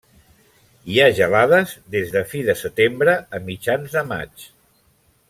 Hi ha gelades des de fi de setembre a mitjans de maig.